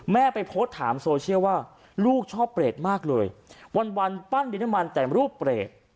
ไปโพสต์ถามโซเชียลว่าลูกชอบเปรตมากเลยวันวันปั้นดินน้ำมันแต่รูปเปรต